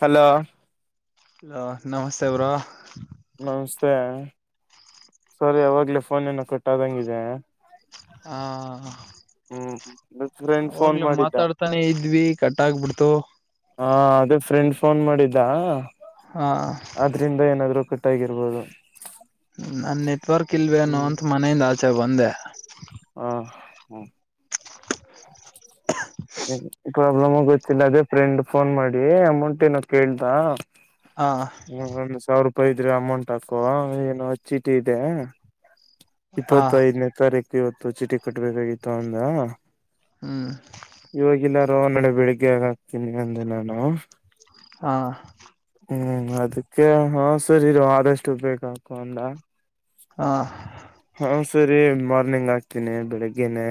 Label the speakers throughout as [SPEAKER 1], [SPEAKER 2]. [SPEAKER 1] Hello
[SPEAKER 2] ಹಲ ನಮಸ್ತೆ bro
[SPEAKER 1] ನಮಸ್ತೆೇ ಸರ್ ಯಾವಾಗ್ಲೇ ಫೋನ್ ಏನ ಕಟ್ಟಾದಂಗಿದೆ.
[SPEAKER 2] ಹಾ.
[SPEAKER 1] ಹ್ಮ್ ಫ್ರೆಂಡ್ ಫೋನ್
[SPEAKER 2] ಅವಾಗ್ಲ
[SPEAKER 1] ಮಾಡಿದ್ದ
[SPEAKER 2] ಮಾತಾಡ್ತಾನೆ ಇದ್ವಿ ಕಟ್ಟಾಗಬಿಡ್ತು.
[SPEAKER 1] ಹ ಅದೇ ಫ್ರೆಂಡ್ ಫೋನ್ ಮಾಡಿದ್ದ ಆದ್ರಿಂದ ಏನಾದ್ರು ಕಟ್ಟಾಗಿರ್ಬೋದು.
[SPEAKER 2] ನಾ ನೆಟ್ವರ್ಕ್ ಇಲ್ವೇನು ಅಂತ ಮನೆಯಿಂದ ಆಚೆ ಬಂದೆ.
[SPEAKER 1] ಹ್ಮ ಹ್ಮ.
[SPEAKER 2] [unintelligible]
[SPEAKER 1] ಪ್ರಾಬ್ಲಮ್ ಆ ಗೊತ್ತಿಲ್ಲ ಅದೇ ಫ್ರೆಂಡ್ ಫೋನ್ ಮಾಡಿ ಅಮೌಂಟ್ ಏನೋ ಕೇಳ್ದ.
[SPEAKER 2] ಹ
[SPEAKER 1] ಹ್ಮ ಒಂದು ಸಾವಿರೂ. ಪ್ಪ ಇದ್ರೆ ಅಮೌಂಟ್ ಹಾಕೋ ಏನು ಚೀಟಿ ಇದೆ.
[SPEAKER 2] ಹ
[SPEAKER 1] ಇಪ್ಪತ್ತೈದನೇ ತಾರೀಕು ಇವತ್ತು ಚೀಟಿ ಕಟ್ಬೇಕಾಗಿತ್ತು ಅಂದ
[SPEAKER 2] ಹ್ಮ್
[SPEAKER 1] [inaudible] ಇವವಾಗಿಲ್ಲಾರು ನಡೆ ಬೆಳಿಗ್ಗೆಯಗಾಕ್ತೀನಿ ಅಂದೆ ನಾನು
[SPEAKER 2] ಹಾ
[SPEAKER 1] ಹ್ಮ್ ಅದಕ್ಕೆ ಹ ಸರಿ ಇ ಆದಷ್ಟು ಬೇಕ ಆತ ಅಂದ
[SPEAKER 2] ಹಾ
[SPEAKER 1] ಹಾ ಸರಿ ಮಾರ್ನಿಂಗ್ ಆಗ್ತೀನಿ ಬೆಳಿಗ್ಗೆನೆ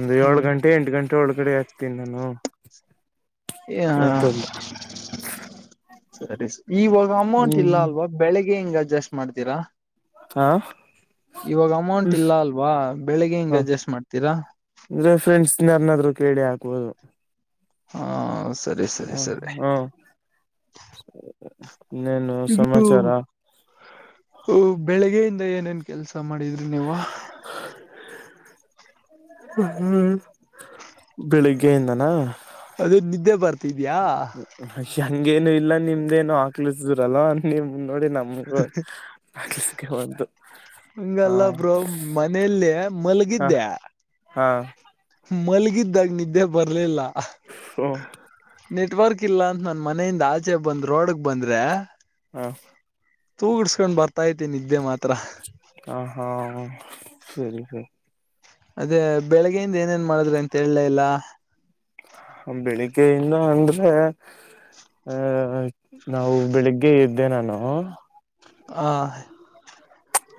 [SPEAKER 1] ಒಂದು ಏಳು
[SPEAKER 2] ಹ್ಮ್
[SPEAKER 1] ಗಂಟೆ ಎಂಟು ಗಂಟೆ ಒಳಗಡೆ ಆಗ್ತೀನಿ ನಾನು ಅಂತಂದ
[SPEAKER 2] ಸರಿ ಸ ಇವಾಗ ಅಮೌಂಟ್ ಇಲ್ಲ
[SPEAKER 1] ಹ್ಮ್
[SPEAKER 2] ಅಲ್ವಾ ಬೆಳಿಗ್ಗೆ ಹಿಂಗ್ ಅಡ್ಜಸ್ಟ್ ಮಾಡ್ತೀರಾ
[SPEAKER 1] ಹಾ
[SPEAKER 2] ಇವಾಗ ಅಮೌಂಟ್ ಇಲ್ಲ ಅಲ್ವಾ ಬೆಳಿಗ್ಗೆ ಹಿಂಗ ಅಡ್ಜಸ್ಟ್ ಮಾಡ್ತೀರಾ
[SPEAKER 1] ರ್ನಾದ್ರು ಕೇಳಿ ಹಾಕ್ಬುದು
[SPEAKER 2] ಹಾ ಸರಿ ಸರಿ ಸರಿ
[SPEAKER 1] ಹಾ ಇನ್ನೇನು
[SPEAKER 2] ಇದು
[SPEAKER 1] ಸಮಾಚಾರ
[SPEAKER 2] ಬೆಳಿಗ್ಗೆ ಎಲ್ಲ ಏನೇನ್ ಕೆಲ್ಸ ಮಾಡಿದ್ರಿ ನೀವ
[SPEAKER 1] ಹ್ಮ್ ಬೆಳಿಗ್ಗೆಯಿಂದನ
[SPEAKER 2] ಅದು ನಿದ್ದೆ ಬರ್ತಿದ್ಯಾ
[SPEAKER 1] ಹಂಗೇನು ಇಲ್ಲ ನಿಮ್ದೇನು ಹಾಕ್ಲಿಸಿದ್ರಲ್ ನಿಮ ನೋಡಿ ನಮಗೂ ದಾಸಕ್ಕೆ ಒಂದು
[SPEAKER 2] ಹಂಗಲ್ಲ ಬ್ರೋ ಮನೇಲ್ಲ
[SPEAKER 1] ಹ
[SPEAKER 2] ಮಲಗಿದ್ದೆ
[SPEAKER 1] ಹಾ
[SPEAKER 2] ಮಲಗಿದ್ದಾಗ ನಿದ್ದೆ ಬರ್ಲಿಲ್ಲ
[SPEAKER 1] ಹ್ಮ [inaudible]
[SPEAKER 2] ನೆಟ್ವರ್ಕ್ ಇಲ್ಲ ಅಂತ ನನ್ ಮನೆಯಿಂದ ಆಚೆ ಬಂದ್ ರೋಡ್ಕ್ ಬಂದ್ರೆ
[SPEAKER 1] ಹಾ
[SPEAKER 2] ತೂಗಡ್ಸ್ಕೊಂಡ್ ಬರ್ತ ಐತಿ ನಿದ್ದೆ ಮಾತ್ರ
[SPEAKER 1] ಹ ಹಾ ಸರಿ ಸರಿ
[SPEAKER 2] ಅದೇ ಬೆಳಿಗ್ಗೆಯಿಂದ ಏನೇನ್ ಮಾಡಿದ್ರ ಅಂತ ಹೇಳಲೇ ಇಲ್ಲ
[SPEAKER 1] ಬೆಳಿಗ್ಗೆಯಿಂದ ಅಂದ್ರೆ ಅಹ ನಾವು ಬೆಳಿಗ್ಗೆ ಇದ್ದೆ ನಾನು
[SPEAKER 2] ಹ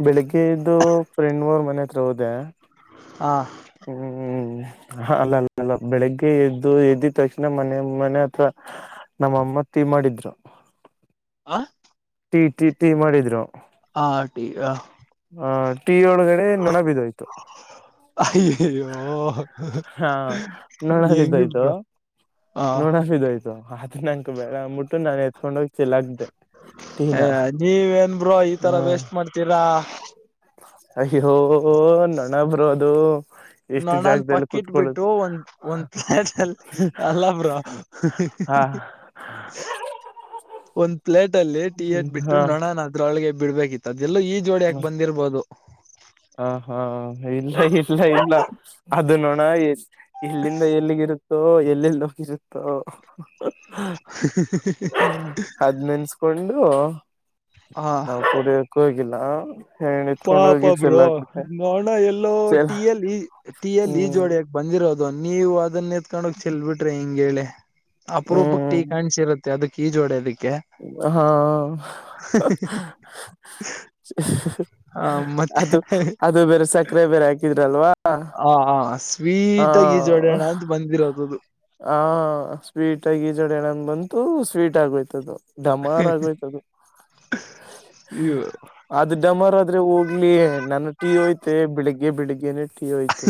[SPEAKER 1] ಬೆಳಿಗ್ಗೆದು ಫ್ರೆಂಡ್ ಮೂರ್ ಮನೆ ಹತ್ರ ಹೋದೆ
[SPEAKER 2] ಹಾ [inaudible]
[SPEAKER 1] ಹ್ಮ್್ಮ [inaudible] ಹ ಅಲ್ಲ ಅ ಅಲ್ಲ ಬೆಳಿಗ್ಗೆ ಎದ್ದು ಎದ್ದದ್ ತಕ್ಷಣ ಮನೆ ಮನೆ ಅಥವಾ ನಮ್ಮ ಮತ್ತೆ ಮಾಡಿದ್ರು
[SPEAKER 2] ಆ
[SPEAKER 1] ಟೀ ಟೀ ಟೀ ಮಾಡಿದ್ರು
[SPEAKER 2] ಹಾ ಟೀ ಆ
[SPEAKER 1] ಟಿ ಒಳಗಡೆ ನೊಣ ಬಿದೋಯ್ತು
[SPEAKER 2] ಅಯ್ಯಯ್ಯೋ
[SPEAKER 1] ಹಾ ನೊಣ
[SPEAKER 2] ಎಂಗಿ
[SPEAKER 1] ಬಿದ್ದೋಯ್ತು
[SPEAKER 2] ಬಿಟಾ
[SPEAKER 1] ನೊಣ ಬಿದಾಯ್ತು ಆದ ನಂಕ ಬೇ ಅಂದ್ಬಿಟ್ಟು ನಾನನ್ ಎತ್ಕೊಂಡೋಗಿ ಚಲ್ಲಾಕ್ದೆ
[SPEAKER 2] ಅಯ ನೀವೇನ್ಬ್ರೋ ಈ ತರ ವೇಸ್ಟ್ ಮಾಡ್ತೀರಾ [inaudible]
[SPEAKER 1] ಅಯ್ಯ್ಯೋ ನಣ ಬರೋದು ಎಷ್ಟು
[SPEAKER 2] ನೊಣನ್
[SPEAKER 1] ಜಾಗದಲ್ಲಿ
[SPEAKER 2] ಪಕ್ಕಿಟ್
[SPEAKER 1] ಕುೂತ್ಕೊಳ್ಳ
[SPEAKER 2] ಬಿಟ್ಟು ಒಂದ್ ಒಂದ್ ಪ್ಲೇಟ್ಲ್ಲಿ ಅಲ್ಲ ಬ್ರ ಇ ಇ
[SPEAKER 1] ಹಾ
[SPEAKER 2] ಇ ಈ ಒಂದು [inaudible] ಪ್ಲೇಟ್ ಅಲ್ಲಿ ಟಿ ಎಟ್ಬಟ್ಟ
[SPEAKER 1] ಹಾ
[SPEAKER 2] ನೋಣ ಅದ್ರೊಳಗೆ ಬಿಡ್ಬೇಕಿತ್ತು ಅದೆಲ್ಲೋ ಈ ಜೋಡಿಯಾಕೆ ಬಂದಿರಬೋದು
[SPEAKER 1] ಹಾ ಹಾ ಇಲ್ಲ ಇಲ್ಲ ಇಲ್ಲ ಅದು ನೋಣ ಇಲ್ಲಿಂದ ಎಲ್ಲಿಗಿರುತ್ತ ಎಲ್ಲೆಲ್ಲಿ ಹೋಗಿರುತ್ತೋ ಅದ್ ನೆನ್ಸ್ಕೊಂಡು
[SPEAKER 2] ಹ
[SPEAKER 1] ನಾವ್ ಕುಡ್ಯಕ್ಕೋಗಿಲ್ಲ ಏತ್ಕೊಂಡ ಹೋಗಿ ಚೆಲ್
[SPEAKER 2] ಬ್ರೊ
[SPEAKER 1] ಹಾಕ್ಬಿಟ್ಟೆ
[SPEAKER 2] ನೋಣ ಎಲ್ಲೋ
[SPEAKER 1] ಚೆಲ್
[SPEAKER 2] ಟಿ ಯಲ್ಲಿ ಟೀ ಯಲ್ಲಿ
[SPEAKER 1] ಹ್ಮ್
[SPEAKER 2] ಈಜೋಡಿಯಕ ಬಂದಿರ ದು ನೀವು ಅದನ್ನ ಎತ್ಕೊಂಡೋಗ್ ತಿನ್ಬಿಟ್ಟ್ರೆ ಹಿಂಗೇಳಿ ಅಪರೂಪಕ್ ಟೀ
[SPEAKER 1] ಹ್ಮ್
[SPEAKER 2] ಕಾಣ್ಸಿರತ್ತೆ ಅದಕ್ಕೆ ಈ ಜೋಡೆದ
[SPEAKER 1] ಹಾ
[SPEAKER 2] ಆ
[SPEAKER 1] [inaudible]
[SPEAKER 2] ಮತ್ತೆ
[SPEAKER 1] ಅದು ಅದು ಬೇರೆ ಸಕ್ಕರೆ ಬೇರೆ ಹಾಕಿ
[SPEAKER 2] ಹ ಹ
[SPEAKER 1] ಹಾ ಹ ಹಾ ಹ ಸ್ವೀಟ್ ಆಗಿ ಈಜಡಣ ಬಂತೂ ಸ್ವೀಟ್ ಆಗೋಯ್ತದು ಡಮಾರ್ ಆಗೋಯ್ತದು ಅದು ಡಮರ್ ಆದ್ರೆ ಹೋಗ್ಲಿ ನನ್ನ ಟಿ ಓಯ್ತೆ ಬೆಳಿಗ ಗೆ ಬಿಳಗ್ಗೆನೆ ಟೀ ಹೋಯ್ತು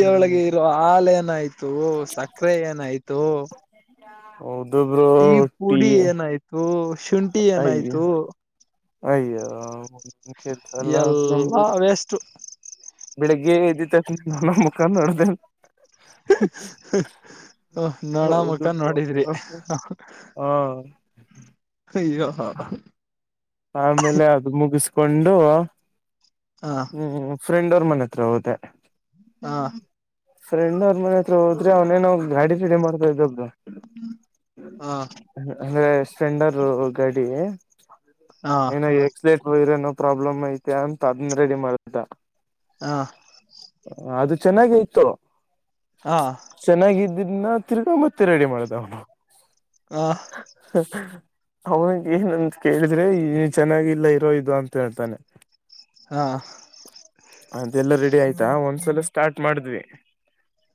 [SPEAKER 1] ಹ್ಮ್
[SPEAKER 2] ಇರೋ ಹಾಲ ಏನಾಯ್ತು ಸಕ್ಕರೆ ಏನಾಯ್ತು
[SPEAKER 1] ಹೌದು ಬ್ರೋ
[SPEAKER 2] ಟೀ
[SPEAKER 1] ಟೀ
[SPEAKER 2] ಪುಡಿ ಏನಾಯ್ತು ಶುಂಠಿ ಏನಾಯ್ತು
[SPEAKER 1] ಅಯ್ಯಲ್ಲ
[SPEAKER 2] ಎಲ್ಲಾ
[SPEAKER 1] ನಮ್ದ ಬಿ
[SPEAKER 2] ವೇಸ್ಟ್
[SPEAKER 1] ಬೆಳಿಗ್ಗೆ ಎದ್ದಿತ್ತಕ್ಷಣ ನನ್ನ ಮುಖಾ ನೋಡ್ದೇ
[SPEAKER 2] ಹ ಹ [unintelligible] ಹ ನೋಣ
[SPEAKER 1] ಹೌದು
[SPEAKER 2] ಮುಖಾನ್
[SPEAKER 1] ಬ್ರೋ
[SPEAKER 2] ನೋಡಿದ್ರಿ ಹ ಹ ಅಯ್ಯೊ ಹಾ
[SPEAKER 1] ಆಮೇಲೆ ಅದು ಮುಗಿಸ್ಕೊಂಡು
[SPEAKER 2] ಹ
[SPEAKER 1] ಹ್ಮ ಫ್ರೆಂಡ್ ತಮ್ಮನೆ ಹತ್ರ ಓದೆ
[SPEAKER 2] ಹಾ
[SPEAKER 1] ಫ್ರೆಂಡ್ ಅವ್ರ ಮನೆ ಹತ್ರ ಹದ್ರೆ ಅವನೇನ ಗಾಡಿ ರೀಡಿ ಮಾಡ್ತ ಇದ್ದು
[SPEAKER 2] ಹ ಹ
[SPEAKER 1] ಅಂದ್ರೆ ಸ್ಪ್ಲೆಂಡರ್ ಗಾಡಿ ಏನೋ ಎಕ್ಸ್ಲೆಟ್ ವರ ನೋ ಪ್ರಾಬ್ಲಮ್ ಐತೆ ಅಂತ ಅದನ್ ರೆಡಿ ಮಾಡ್ದ
[SPEAKER 2] ಹಾ
[SPEAKER 1] ಅದು ಚೆನ್ನಾಗೆ ಇತು
[SPEAKER 2] ಹಾ
[SPEAKER 1] ಇದನ್ನ ತಿರ್ಗೊ ಮತ್ತೆ ರೆಡಿ ಮಾಡುದ ಅವನು
[SPEAKER 2] ಹ
[SPEAKER 1] ಅವನಿಗೆ ಏನಂತ ಕೇಳಿದ್ರೆ ಚೆನ್ನಾಗಿಲ್ಲ ಇರೋ ಇದು ಅಂತ ಹೇಳ್ತಾನೆ
[SPEAKER 2] ಹ
[SPEAKER 1] ಅದೆಲ್ಲ ರೆಡಿ ಆಯ್ತಾ ಒಂದ್ಸಲ ಸ್ಟಾರ್ಟ್ ಮಾಡಿದ್ವಿ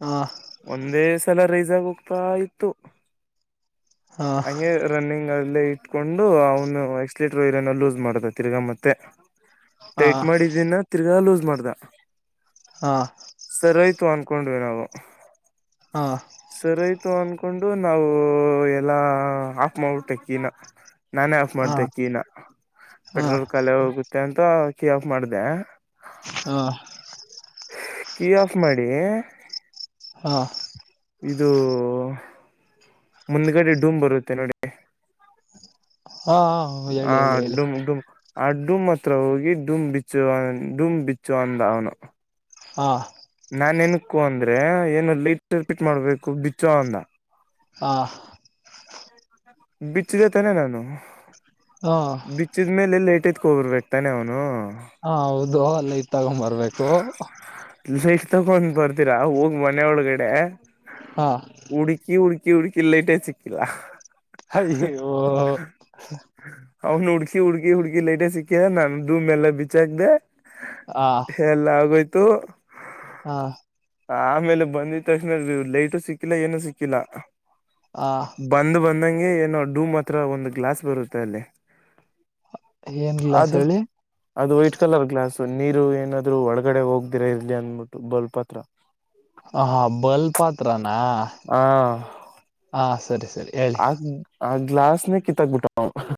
[SPEAKER 2] ಹ
[SPEAKER 1] ಒಂದೇ ಸಲ ರೈಸ್ ಆಗ ಹೋಗ್ತಾ ಇತ್ತು
[SPEAKER 2] ಹ ಹ
[SPEAKER 1] ಹಂಗೆ ರನ್ನಿಂಗ್ ಅಲ್ಲೇ ಇತಾ ಕತ್ಕೊಂಡು ಅವನು ಎಕ್ಸ್ಲೀಟರ್ ವಯರ್ ಲೂಸ್ ಮಾಡತ ತಿರ್ಗಾ ಮತ್ತೆ ಟೈಟ್ ಮಾಡಿದ್ದಿನ ತಿರ್ಗಾ ಲೂಸ್ ಮಾಡ್ದ
[SPEAKER 2] ಹ
[SPEAKER 1] ಸರಿ ಆಯ್ತು ಅನ್ ಕೊಂಡವಿ ನಾವು ಸರಿಯ್ತು ಅನ್ಕೊಂಡ ಕೊಂಡು ನಾವು ಎಲ್ಲಾ ಆಪ್ ಮಾಡಟ್ಟಕಿನ ನ
[SPEAKER 2] ಹ
[SPEAKER 1] ಮಾಡ್ದ ಕೀ ನ
[SPEAKER 2] ಹ ಹ
[SPEAKER 1] ಪೆಟ್ರೋಲ್ ಖಾಲಿ ಹೋಗುತ್ತೆ ಅಂತ ಕೀ ಆಫ್ ಮಾಡ್ದೆ
[SPEAKER 2] ಹಾ
[SPEAKER 1] ಕೀ ಆಫ್ ಮಾಡಿ
[SPEAKER 2] ಹಾ
[SPEAKER 1] ಇದು ಮುಂದಗಡೆ ಡೂಮ್ ಬರುತ್ತೆ ನೋಡಿ
[SPEAKER 2] ಹಾ
[SPEAKER 1] ಹಾ
[SPEAKER 2] ಹೇಳಿ ಹೇಳಿ ಹೇಳಿ
[SPEAKER 1] ಡೂಮ್ ಡೂಮ್ ಆ ಡುಮ್ ಹತ್ರ ಹೋಗಿ ಡಮ್ ಬಿಚ್ಚು ಡುಮ್ ಬಿಚ್ಚು ಅಂದ ಅವನು
[SPEAKER 2] ಹಾ
[SPEAKER 1] ನಾ ಏನಕ್ಕು ಅಂದ್ರೆ ಏನು ಲೈಟ್ ರಿಪಿಟ್ ಮಾಡ್ಬೇಕು ಬಿಚ್ಚೋ ಅಂದ
[SPEAKER 2] ಹಾ
[SPEAKER 1] ಬಿಚ್ಚಿದೆ ತಾನೇ ನಾನು
[SPEAKER 2] ಹ ಹ
[SPEAKER 1] ಬಿಚ್ಚಿದ್ಮೇಲೆ ಲೇಟ್ ತ್ಕ ಹೋಗರ್ಬೇಕಕ್ತಾನೆ ಅವನು
[SPEAKER 2] ಹಾ ಹೌದು ಅಲ್ಲ ಇ ತಗೊಂಬರ್ಬೇಕು
[SPEAKER 1] ಲೈಟ್ ತಗೊಂಡ್ ಬರ್ದಿರಾ ಹೋಗ್ ಮನೆ ಒಳಗಡೆ
[SPEAKER 2] ಹಾ
[SPEAKER 1] ಹುಡ್ಕಿ ಹುಡ್ಕಿ ಚಿ ಹುಡುಕಿಲ್ಲ ಇಟೆ ಚಿಕ್ಕಿಲ್ಲಾ
[SPEAKER 2] ಹ ಓ
[SPEAKER 1] ಅವ್ನು ಹುಡ್ಕಿ ಹುಡ್ಕಿ ಹುಡ್ಕಿ ಲೈಟೇ ಸಿಕ್ಕ್ಯ ನಾನ ದು ಮೆಲ್ಲ ಬಿಚ್ಚಾಕ್್ದ ಎಲ್ಲ ಆಗಿಯೋಯ್ತು
[SPEAKER 2] ಹಾ
[SPEAKER 1] ಆಮೇಲೆ ಬಂದಿದ ತಕ್ಷಣ ಲೇಟು ಸಿಕ್ಕಿಲ್ಲ ಏನು ಸಿಕ್ಕಿಲ್ಲ
[SPEAKER 2] ಆ
[SPEAKER 1] ಬಂದ ಬಂದಂಗೆ ಏನೋ ಡೂ ಮಾತ್ರ ಒಂದು ಗ್ಲಾಸ್ ಬರುತ್ತೆ ಅಲ್ಲಿ
[SPEAKER 2] ಏನ್ಲಸ್
[SPEAKER 1] ಅದು
[SPEAKER 2] ಹೇಳಿ
[SPEAKER 1] ಅದು ವೈಟ್ ಕಲರ್ ಗ್ಲಾಸ್ ನೀರು ಏನಾದ್ರು ಒಳಗಡೆ ಹೋಗ್ದಿರಾ ಇರ್ಲಿ ಅಂದ್ಬಿಟ್ಟು ಬೋಲ್ಪತ್ರ
[SPEAKER 2] ಹ ಬಾಲ್ ಆತ್ರಾನ
[SPEAKER 1] ಆ
[SPEAKER 2] ಹ ಸರಿ ಸರಿ ಹೇಳಿ
[SPEAKER 1] ಆ ಆ ಗ್ಲಾಸ್ನೆ ಕಿಂತಕ್ ಬಿಟ್ಟಪ್ಪ ಅವ್ನ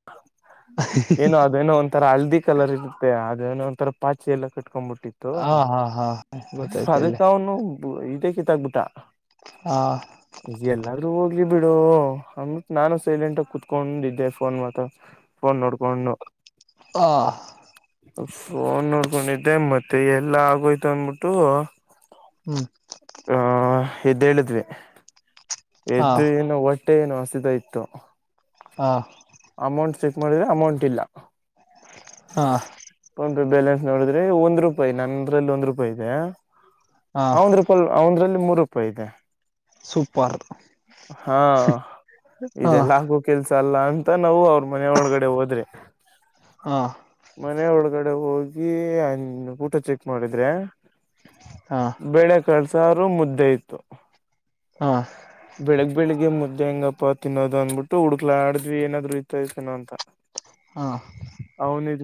[SPEAKER 1] ಏನೋ ಅದೇನೋ ಒಂಥರ ಹಲ್ದಿ ಕಲರ್ ಇರುತ್ತೆ ಅದೇನೋ ಒಂಥರ ಪಾಚಿ ಎಲ್ಲ ಕಟ್ಟೆ ಇಟ್ಕೊ್ಬಿಟ್ಟಿತ್ತು
[SPEAKER 2] ಹಾ ಹಾ ಹಾ ಗೊತ್ತಾಯ್ತ ಹೇಳಿ
[SPEAKER 1] ಅದಕ್ಕ ಅವನು ಇದೇ ಕೀತ್ತಾಗಬಿಟ್ಟ
[SPEAKER 2] ಹ
[SPEAKER 1] ಎಲ್ಲಾರೂ ಹೋಗ್ಲಿ ಬಿಡು ಹೌದ ನಾನು ಸೈಲೆಂಟ ಕುೂತ್ಕೊಂಡಿದ್ದೆ ಫೋನ್ ಮಾತ್ರ ಫೋನ್ ನೋಡ್ಕೊಂಡು
[SPEAKER 2] ಹ
[SPEAKER 1] ಫೋನ್ ನೋಡ್ಕೊಂಡಿದ್ದೆ ಮತ್ತೆ ಎಲ್ಲ ಆಗೋಯ್ತು ಅಂದ್ಬಿಟ್ಟು
[SPEAKER 2] ಹ
[SPEAKER 1] ಆ ಎದ್ದೇಳಿದ್ವಿ
[SPEAKER 2] ಹಾ
[SPEAKER 1] ಎದು ಏನೋ ಹೊಟ್ಟೆ ಏನು ಹಸಿತಾ ಇತ್ತು
[SPEAKER 2] ಹಾ
[SPEAKER 1] ಅಮೌಂಟ್ ಚೆಕ್ ಮಾಡಿದ್ರೆ ಅಮೌಂಟ್ ಇಲ್ಲ
[SPEAKER 2] ಹಾ
[SPEAKER 1] ಫೋನ್ ಬ್ಯಾಲೆನ್ಸ್ ನೋಡ್ರೆ ಒಂದ್ರು ರೂಪಾಯಿ ನಂದ್ರಲ್ಲಿ ಒಂದ್ ರೂಪಾಯಿ ಇದೆ
[SPEAKER 2] ಹಾ
[SPEAKER 1] ಅವಂದ್ ರೂಪಾಯಲ್ ಅವಂದ್ರಲ್ಲಿ ಮೂರು ರೂಪಾಯಿ ಐತ್ತೆ
[SPEAKER 2] ಸೂಪರ್
[SPEAKER 1] ಹಾ
[SPEAKER 2] ಹಾ
[SPEAKER 1] ಇದೆಲ್ಲಗೂ ಕೆಲ್ಸ ಅಲ್ಲ ಅ ತ್ತ ನಾವು ಅವರು ಮನೆ ಒಳಗಡೆ ಹೋದ್ರೆ
[SPEAKER 2] ಹಾ
[SPEAKER 1] ಮನೆ ಒಳಗಡೆ ಹೋಗಿ ಊಟ ಚೆಕ್ ಮಾಡಿದ್ರೆ
[SPEAKER 2] ಹಾ
[SPEAKER 1] ಬೇಳೆ ಕಳ್ಸ್ರರು ಮುದ್ದೆ ಇತು
[SPEAKER 2] ಹಾ
[SPEAKER 1] ಬೆಳಗ್ ಬೆಳಿಗ್ಗೆ ಮುದ್ದೆ ಹೆಂಗಪ್ಪಾ ತಿನ್ನೋದು ಅಂದ್ಬಿಟ್ಟು ಹುಡ್ಕ್ಲ ಆಡಿದ್ವಿ ಏನಾದ್ರು ಇರ್ ಸನೋ ಅಂತ
[SPEAKER 2] ಹಾ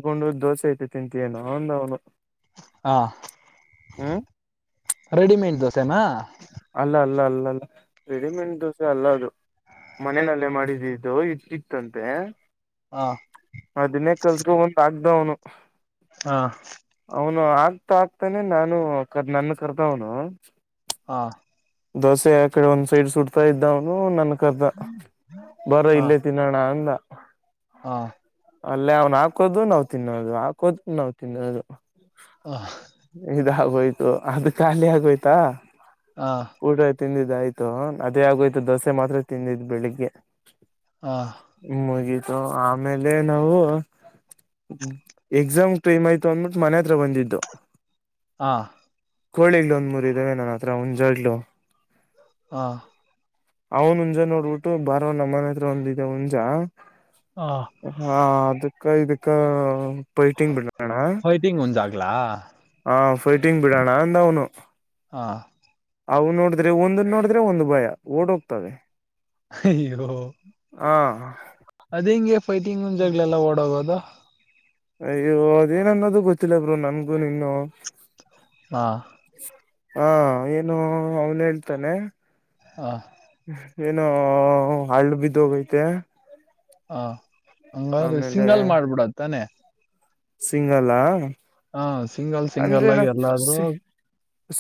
[SPEAKER 1] ಕಕೊಂಡು ದೋಸೆ ಐತೆ ತಿಂತ ಏನು ಅವಂದ ಅವ್ನು
[SPEAKER 2] ಹಾ ರೆಡಿಮೇಡ್ ಧೋಸೆನಾ
[SPEAKER 1] ಅಲ್ಲ ಅಲ್ಲ ಅಲ್ಲ ರೆಡಿಮೇಡ್ ದೋಸೆ ಅಲ್ಲ ಅದು ಮನಲ್ಲೇ ಮಾಡಿದ್ದು ಇತ್ತಂತೆ
[SPEAKER 2] ಹಾ
[SPEAKER 1] ಅದನ್ನೇ ಕಲ್ಸ ಒಂದ ಆಗ್ದವನು
[SPEAKER 2] ಹಾ
[SPEAKER 1] ಆಗ್ತಾ ಆಗ್ತಾನೆ ನಾನು ಕ ನನ್ನ ಕರ್ದವನು
[SPEAKER 2] ಹಾ
[SPEAKER 1] ದೋಸೆ ಆಕಡೆ ಒಂದ್ ಸೈಡ್ ಸುಡ್ತಾ ಇದ್ದವನು ನನ್ ದ ಬರೋ
[SPEAKER 2] ಹಾ
[SPEAKER 1] ಇಲ್ಲೇ ತಿನ್ನೋಣ ಅಂದ
[SPEAKER 2] ಹಾ
[SPEAKER 1] ಅಲ್ಲೇ ಅವ್ನ್ ಹಾಕೋದು ನಾವ್ ತಿನ್ನೋದು ಹಾಕೋದು ನಾವ್ ತಿನ್ನೋದು
[SPEAKER 2] ಹಾ
[SPEAKER 1] ಆೋಯ್ತು ಅದು ಖಾಲಿ ಆಗೋಯ್ತಾ
[SPEAKER 2] ಹಾ
[SPEAKER 1] ತಿಂದಿದ್ದಾಯ್ತು ಅದೇ ಆಗೋಯ್ತು ದೋಸೆ ಮಾತ್ರ ತಿಂದಿದ್ ಬೆಳಿಗ್ಗೆ
[SPEAKER 2] ಹಾ
[SPEAKER 1] ಮುಗಿತು ಆಮೇಲೆ ನಾವು ಎಕ್ಸಾಮ್ ಟೈಮ್ ಆಯ್ತು ಅಂದಬಿಟ್ಟು ಮನೆ ಹತ್ರ ಬಂದಿದ್ದು
[SPEAKER 2] ಹಾ
[SPEAKER 1] ಕೋಳಿ ಒಂದ್ ಮೂರು ಇದಾವೆ ನನ್ನ ಹತ್ರ ಒಂದ್ ಜಾಲು
[SPEAKER 2] ಹಾ
[SPEAKER 1] ಅವನ್ ಉಂಜಾ ನೋಡ್ಬಿಟ್ಟು ಬಾರವ ನಮ್ಮ ಮನೆ ಹತ್ರ ಒಂದಿದೆ ಹಂಜಾ
[SPEAKER 2] ಹಾ
[SPEAKER 1] ಹಾ ಅದಕ್ಕ ಇದಕ್ಕ ಪೈಟಿಂಗ ಬಿಡ
[SPEAKER 2] ಫೈಟಿಂಗ್ ಉಂಜಾಗಲಾ
[SPEAKER 1] ಹ ಫೈಟಿಂಗ್ ಬಿಡೋಣ ಅಂತ ಅವನು
[SPEAKER 2] ಹಾ
[SPEAKER 1] ಅವು ನೋಡಿದ್ರೆ ಒಂದ ನೋಡಿದ್ರೆ ಒಂದು ಭಯ ಓಡೋಗ್ತವೆ
[SPEAKER 2] ಹೋ
[SPEAKER 1] ಹಾ
[SPEAKER 2] ಅದ್ ಹೆಂಗೆ ಫೈಟಿಂಗ್ ಒಂ ಜಾಗಗಳಲ್ಲ ಓಡೋಗೋದ
[SPEAKER 1] ಅಯ್ಯೋ ಅದೇನನ್ನೋದು ಗೊತ್ತಿಲ್ಲ ಬ್ರರು ನನ್ಗೂ ನಿನು
[SPEAKER 2] ಹಾ
[SPEAKER 1] ಹಾ ಏನು ಅವನು ಹೇಳ್ತಾನೆ
[SPEAKER 2] ಹ
[SPEAKER 1] ಏನೋ ಹಳ್ಳು ಬಿದ್ದ ಹೋಗೈತೆ
[SPEAKER 2] ಹ ಹಂಗಾದ್ರೆ ಸಿಂಗಲ್ ಮಾಡ್ಬಿಡತ್ತಾನೆ
[SPEAKER 1] ಸಿಂಗಾಲಾ
[SPEAKER 2] ಹ ಸಿಂಗಲ್
[SPEAKER 1] ಅಂದ್ರೆ
[SPEAKER 2] ಸಿಂಗಲ್
[SPEAKER 1] ನ
[SPEAKER 2] ಆಗಿ ಎಲ್ಲಾದ್ರೂ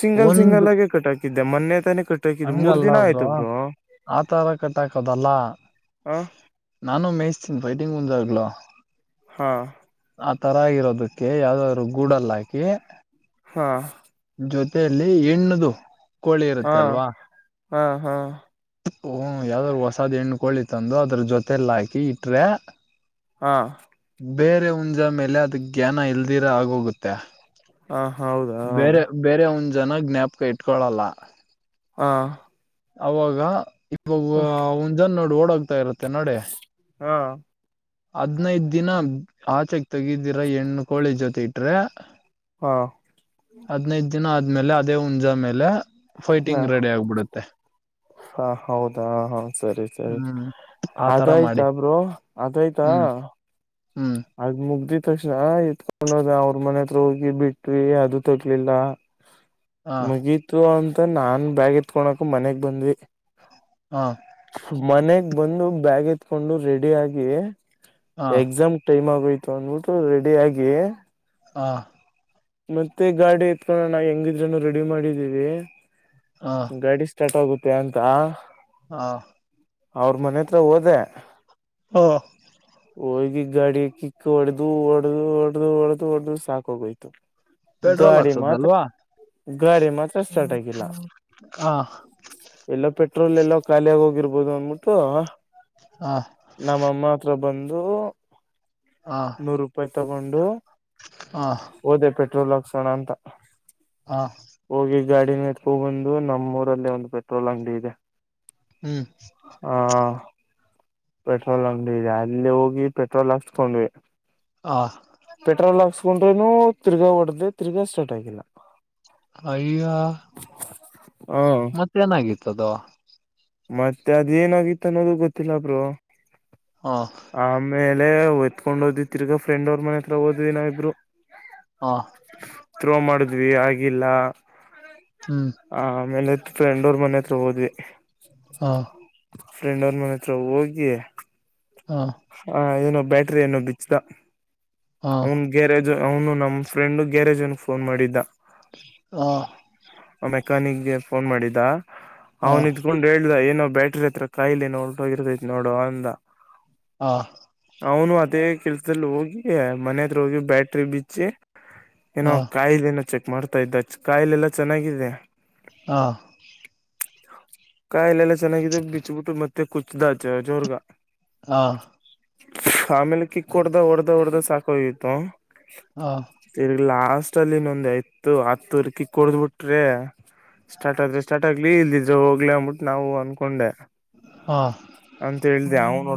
[SPEAKER 1] ಸಿಂಗಲ್
[SPEAKER 2] ಒಂದು
[SPEAKER 1] ಸಿಂಗಲ್ ಆಗೆ ಕಟಾಕ ದಮ್ಮನ್ನನೆ ತ ನೀ
[SPEAKER 2] ಹಂಗಲ್ಲ ಒಬ್ರು ಆ ತಾರ ಕಟ್ಟಾಕದಲ್ಲ
[SPEAKER 1] ಹ
[SPEAKER 2] ನಾನು ಮೇಯಿಸ್ತೀನಿ ಫೈಟಿಂಗ್ ಮುಂಜಾಗ್ಲ
[SPEAKER 1] ಹಾ
[SPEAKER 2] ಆ ತರ ಆಗಿರೋದಕ್ಕೆ ಯಾವ್ದಾದ್ರು ಗೂಡಲ್ಲ ಹಾಕಿ
[SPEAKER 1] ಹಾ
[SPEAKER 2] ಜೊತೆಯಲ್ಲಿ ಹೆಣ್ಣದು ಕೋಳಿ
[SPEAKER 1] ಹಾ
[SPEAKER 2] ಇರುತ್ತೆ ಅಲ್ವಾ
[SPEAKER 1] ಹಾ ಹಾ
[SPEAKER 2] ಹ ಯಾವ್ದಾರರು ಹೊಸಾದ್ ಎಣ್ಣು ಕೋಳಿ ತಂದು ಅದ್ರ ಜೊತೆಲ್ಲ ಹಾಕಿ ಇಟ್ರೆ
[SPEAKER 1] ಹಾಂ
[SPEAKER 2] ಬೇರೆ ಉಂಜ ಮೇಲೆ ಅದ ಜ್ಞಾನ ಇಲ್ದಿರ ಆಗೋಗುತ್ತೆ
[SPEAKER 1] ಹಾ ಹೌದಾ
[SPEAKER 2] ಬೇರೆ
[SPEAKER 1] ಹಾ
[SPEAKER 2] ಬೇರೆ ಒನ್ ಜನ ಜ್ಞಾಪಕ ಇಟ್ಕೊಳಲ್ಲ
[SPEAKER 1] ಹಾ
[SPEAKER 2] ಅವಾಗ ಇವಾಗ ಒಂದ್ ಜನ ನೋಡಿ ಓಡ್ತಾ ಇರತ್ತೆ ನಡೆ
[SPEAKER 1] ಹಾ
[SPEAKER 2] ಹದ್ನೈದ ದಿನ ಆಚೆಕ್ ತೆಗಿದ್ದಿರ ಹೆಣ್ಣ ಕೋಳಿ ಜೊತೆ ಇಟ್ರೆ
[SPEAKER 1] ಹಾ
[SPEAKER 2] ಹದ್ನೈದು ದಿನ ಆದ್ಮೇಲೆ ಅದೇ ಹುಂಜಾ ಮೇಲೆ ಫೈಟಿಂಗ್ ರೆಡಿ ಆಗ್ಬಿಡುತ್ತೆ
[SPEAKER 1] ಹಾ ಹೌದಾ ಹ ಸರಿ ಸರಿ
[SPEAKER 2] ಹ್ಮ್ ಆತರ ಮಾಡಿ
[SPEAKER 1] ಅದಾಯ್ತಬ್ರು ಅದಾಯ್ತ
[SPEAKER 2] ಹ್ಮ್ ಹ್ಮ್
[SPEAKER 1] [inaudible] ತಕ್ಷಣ ಎತ್ಕೊಂಡೋದ ಅವ್ರ ಮನೆ ಹತ್ರ ಹೋಗಿ ಬಿಟ್ವಿ ಅದು ತಗ್ಲಿಲ್ಲ
[SPEAKER 2] ಹ
[SPEAKER 1] ಮುಗೀತು ಅಂತ ನಾನ್ ಬ್ಯಾಗ್ ಎತ್ಕೊಕ ಮನೆಗ್ ಬಂದ್ವಿ
[SPEAKER 2] ಹಾ
[SPEAKER 1] ಮನೆಗ್ ಬಂದು ಬ್ಯಾಗ್ ಎತ್ಕೊಂಡು ರೆಡಿ ಆಗಿ
[SPEAKER 2] ಹ
[SPEAKER 1] ಎಕ್ಸಾಮ್ ಟೈಮ್ ಆಗ ನೋಟ ರೆಡಿ ಆಗಿ
[SPEAKER 2] ಹಾ
[SPEAKER 1] ಮತ್ತೆ ಗಾಡಿ ಎತ್ಕೊಂಡ ನಾ ಹೆಂಗಿದ್ರನು ರೆಡಿ ಮಾಡಿದ್ದೀವಿ ಗಾಡಿ ಸ್ಟಾರ್ಟ್ ಹೋಗುತ್ತೆ ಅಂತ
[SPEAKER 2] ಹಾ
[SPEAKER 1] ಅವ್ರ ಮನೆ ಹತ್ರ ಹೋದೆ
[SPEAKER 2] ಹಾ
[SPEAKER 1] ಹೋಗಿ ಗಾಡಿಯ ಕಿಕ್ ಹೊಡೆದು ಒಡೆ್ದ ಒಡ್ದ ಒಡೆ್ದ ಒಡದು ಸಾಕೋಗೋಯ್ತು
[SPEAKER 2] ಪೆಟ್ರೋಲ್
[SPEAKER 1] ಗಾಡಿ ಮಾತ್ರ
[SPEAKER 2] ಹಾಕ್ಸದಲ್ವಾ
[SPEAKER 1] ಗಾಡಿ ಮಾತ್ರ ಸ್ಟಾರ್ಟ್ ಆಗಿಲ್ಲ
[SPEAKER 2] ಹ
[SPEAKER 1] ಎಲ್ಲ ಪೆಟ್ಟ ಪೆಟ್ರೋಲ್ ಎಲ್ಲೋ ಖಾಲಿಯಾಗಿ ಹೋಗಿರ್ಬೋದು ಅನ್ಬಿಟ್ಟು
[SPEAKER 2] ಹ
[SPEAKER 1] ನಮ್ಮಮ್ಮ ಹತ್ರ ಬಂದು
[SPEAKER 2] ಹ
[SPEAKER 1] ನೂರು ರೂಪಾಯಿ ತಗೊಂಡು
[SPEAKER 2] ಹ
[SPEAKER 1] ಓದೆ ಪಟ್ಟ ಪೆಟ್ರೋಲ್ ಅಕ್ಷಣಅಂಥ
[SPEAKER 2] ಹಾ
[SPEAKER 1] ಗಾಡಿನ ತಂದು ನಮ್ ಊರಲ್ಲಿ ಒಂದು ಪೆಟ್ರೋಲ್ ಅಂಗಡಿ ಇದೆ
[SPEAKER 2] ಹ್ಮ್
[SPEAKER 1] ಆ ಪೆಟ್ರೋಲ್ ಅಂಗಡಿ ಇದೆ ಅಲ್ಲಿ ಹೋಗಿ ಪೆಟ್ರೋಲ್ ಹಚ್ಕೊಂಡ್ವಿ
[SPEAKER 2] ಹ
[SPEAKER 1] ಪೆಟ್ರೋಲ್ ಹಾಕ್ಸ್ಕೊಂಡ್ರೂನು ತಿರ್ಗಾ ಹೊಡ್ದೆ ತಿರ್ಗಾ ಸ್ಟಾರ್ಟ್ ಆಗಿಲ್ಲ
[SPEAKER 2] ಅಯ್ಯ
[SPEAKER 1] ಹ
[SPEAKER 2] ಮತ್ತೇನಾಗಿತ್ತುದ
[SPEAKER 1] ಮತ್ತೆ ಅದೇ ಏನಾಗಿತ್ತು ಅನ್ನೋದು ಗೊತ್ತಿಲ್ಲ ಬ್ರೋ
[SPEAKER 2] ಹ
[SPEAKER 1] ಆಮೇ ಅಲ್ಲಲೆ ಒದತ್ಕೊಂಡ್ಓದಿದ ತಿರ್ಗ ಫ್ರೆಂಡ್ಅವರ್ ಮನೆ ಹತ್ರ ಓದ್ ನಾವ ಇಬ್ರು
[SPEAKER 2] ಹಾ
[SPEAKER 1] ಥತ್ರೋ ಮಾಡಿದ್ವಿ ಆಗಿಲ್ಲ
[SPEAKER 2] ಹ್ಮ್
[SPEAKER 1] ಆ ಆಮೇಲೆ ಫ್ರೆಂಡ್ ಅವ್ರ ಮನೆ ಹತ್ರ ಹೋದ್ವಿ
[SPEAKER 2] ಹಾ
[SPEAKER 1] ಫ್ರೆಂಡ್ ಅವ್ರ ಮನೆ ಹತ್ರ ಹೋಗಿ
[SPEAKER 2] ಹ
[SPEAKER 1] ಹ ಏನೋ ಬ್ಯಾಟ್ರಿ ಏನು ಬಿಚ್ಚದ
[SPEAKER 2] ಹ ಹ
[SPEAKER 1] ಅವನ್ ಗ್ಯರಜ್ ಅವ್ನು ನಮ್ ಫ್ರೆಂಡ್ ಗ್ಯಾರೇಜ್ ಒನ್ ಫೋನ್ ಮಾಡಿದ್ದ
[SPEAKER 2] ಹಾ
[SPEAKER 1] ಮೆಕಾನಿಕ್ ಗೆ ಫೋನ್ ಮಾಡಿದ್ದ
[SPEAKER 2] ಹ ಹ
[SPEAKER 1] ಅವನ್ ನಿತ್ಕೊಂಡ್ ಹೇಳ್ದ ಏನ ಬ್ಯಾಟ್ರಿ ಹತ್ರ ಕಾಯಿಲಿ ನೋೋಗಿರ್ತೈತಿ ನೋಡು ಅಂದ
[SPEAKER 2] ಹಾ
[SPEAKER 1] ಅವನು ಅದೇ ಕೆಲ್ಸದಲ್ಲಿ ಹೋಗಿ ಮನೆ ಹತ್ರರ ಹೋಗಿ ಬ್ಯಾಟ್ರಿ ಬಿಚ್ಚಿ ಏನೋ ಕಾಯಿಲೆ ಏನೋ ಚೆಕ್ ಮಾಡ್ತಾ ಇದ್ದ ಕಾಯಿಲೆ ಎಲ್ಲಾ ಚೆನ್ನಾಗಿದೆ
[SPEAKER 2] ಹಾ
[SPEAKER 1] ಕಾಯಿಲೆಲ್ಲ ಚೆನ್ನಾಗಿದೆ ಬಿಚ್ಬಿಟ್ಟು ಮತ್ತೆ ಕುಚ್ಚ್ದಾಚ ಜೋರ್ಗ
[SPEAKER 2] ಹಾ
[SPEAKER 1] ಆಮೇಲೆ ಕಿಕ್ ಕೊಡ್ದ ಹೊಡ್ದ ಹೊಡ್ದ ಸಾಕೋಗತ್ತುು
[SPEAKER 2] ಹಾ
[SPEAKER 1] ಲಾಸ್ಟ್ ಅಲ್ಲಿ ಇನ್ನೊಂದ್ ಐತ್ತು ಹತ್ತುರಕಿ ಕುಡ್ದ್ ಬಿಟ್ರೆ ಸ್ಟಾರ್ಟ್ ಆದ್ರೆ ಸ್ಟಾರ್ಟ್ ಆಗ್ಲಿ ಇಲ್ದಿದ್ ಹೋಗ್ಲಿ ಅಂಬಬಿಟ್ಟು ನಾವು ಅನ್ಕೊಂಡೆ
[SPEAKER 2] ಹ ಹ
[SPEAKER 1] [inaudible] ಅಂತ ಹೇಳ್ದೆ ಅವನು